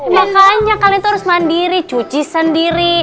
makanya kalian itu harus mandiri cuci sendiri